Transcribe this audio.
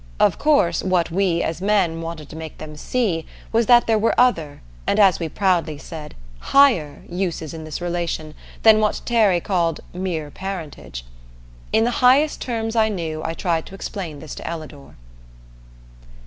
Of course, what we, as men, wanted to make them see was that there were other, and as we proudly said "higher," uses in this relation than what Terry called "mere parentage." In the highest terms I knew I tried to explain this to Ellador.